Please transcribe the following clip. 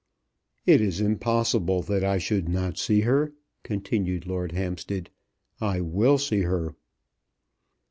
"It is impossible that I should not see her," continued Lord Hampstead. "I will see her."